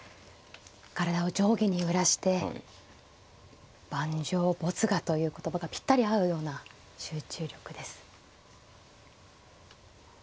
体を上下に揺らして盤上没我という言葉がぴったり合うような集中力です。